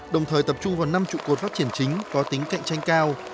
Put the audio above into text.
đồng thời tập trung vào năm trụ cột phát triển chính có tính cạnh tranh cao